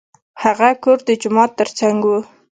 هغه کور د جومات تر څنګ و.